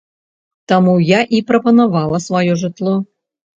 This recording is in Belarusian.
Таму я і прапанавала сваё жытло.